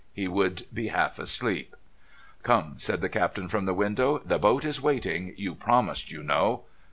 He would be half asleep. "Come," said the Captain from the window, "the boat is waiting! You promised, you know.